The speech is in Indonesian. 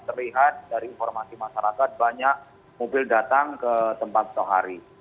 terlihat dari informasi masyarakat banyak mobil datang ke tempat stokhari